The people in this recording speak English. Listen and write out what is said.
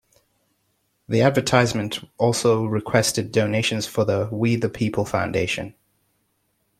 The advertisement also requested donations for the We the People Foundation.